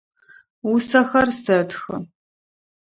Усэхэр сэтхы.